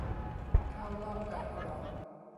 ข้าวลาบไก่กรอบ